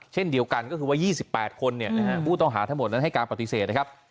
เช่นเดียวกันก็คือว่า๒๘คนเนี่ยนะครับผู้ต้องหาทั้งหมดแล้วหน้าการปฏิเสธนะครับ